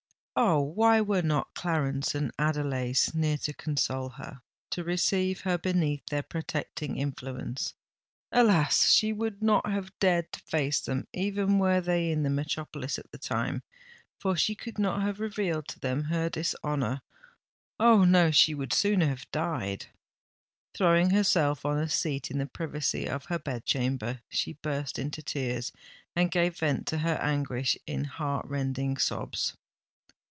Oh! why were not Clarence and Adelais near to console her—to receive her beneath their protecting influence? Alas! she would not have dared to face them, even were they in the metropolis at the time; for she could not have revealed to them her dishonour—Oh! no, she would sooner have died! Throwing herself on a seat in the privacy of her bed chamber, she burst into tears, and gave vent to her anguish in heart rending sobs.